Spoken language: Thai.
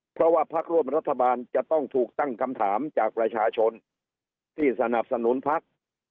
เพราะว่าพักร่วมรัฐบาลจะต้องถูกตั้งคำถามจากประชาชนที่สนับสนุนพัก